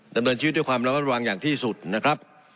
ดำเนินชีวิตด้วยความระมัดระวังอย่างที่สุดนะครับ